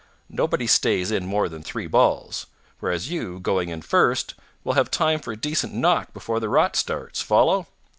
Nobody stays in more than three balls. Whereas you, going in first, will have time for a decent knock before the rot starts. Follow?"